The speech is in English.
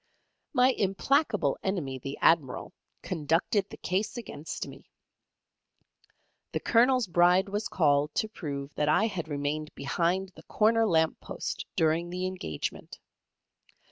My implacable enemy, the Admiral, conducted the case against me. The Colonel's Bride was called to prove that I had remained behind the corner lamp post during the engagement.